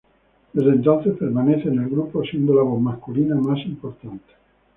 Desde entonces, permanece en el grupo, siendo la voz masculina más importante.